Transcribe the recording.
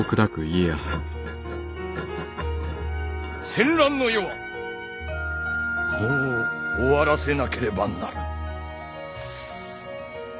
戦乱の世はもう終わらせなければならぬ。